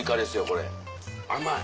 これ甘い。